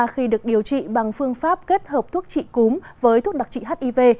khi được điều trị bằng phương pháp kết hợp thuốc trị cúm với thuốc đặc trị hiv